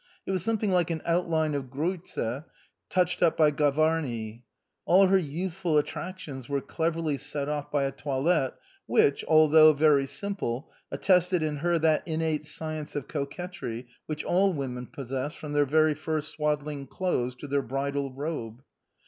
It was something like an outline of Greuze touched up by Gavarni. All her youthful attractions were cleverly set off by a toilette which, although very simple, attested in her that innate science of coquetry which all women possess from their first swaddling clothes to their bridal robe.